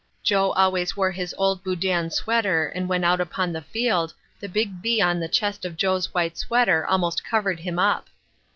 Joe always wore his old Bowdoin sweater and when out upon the field, the big B on the chest of Joe's white sweater almost covered him up.